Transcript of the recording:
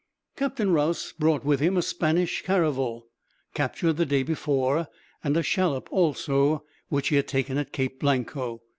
Captain Rause brought with him a Spanish caravel, captured the day before; and a shallop also, which he had taken at Cape Blanco.